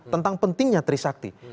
tentang pentingnya trisakti